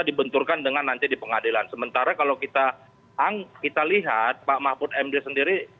dibenturkan dengan nanti di pengadilan sementara kalau kita ang kita lihat pak mahfud md sendiri